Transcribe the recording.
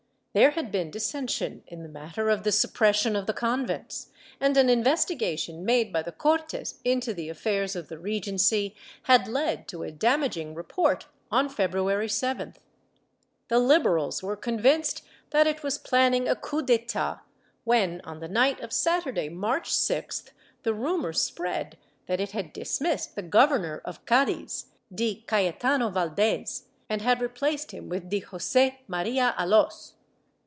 There had been dissension in the matter of the sup pression of the convents, and an investigation made by the Cortes into the affairs of the Regency had led to a damaging report on February 7th. The Liberals were convinced that it was planning a cowp d'etat when, on the night of Saturday, March 6th the rumor spread that it had dismissed the Governor of Cadiz, D. Cayetano Valdes, and had replaced him with D. Jose Maria Alos.